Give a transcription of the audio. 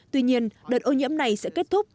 tuy nhiên đợt ô nhiễm này sẽ kết thúc